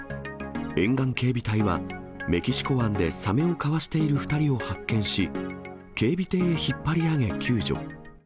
沿岸警備隊は、メキシコ湾でサメをかわしている２人を発見し、警備艇へ引っ張り上げ救助。